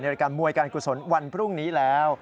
รายการมวยการกุศลวันพรุ่งนี้แล้ว